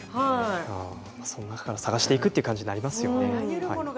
その中から探していくという感じになりますね。